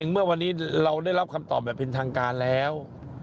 เมื่อวันนี้เราได้รับคำตอบแบบเป็นทางการแล้ว